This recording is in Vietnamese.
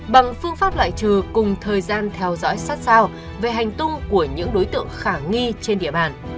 bằng phương pháp loại trừ cùng thời gian theo dõi sát sao về hành tung của những đối tượng khả nghi trên địa bàn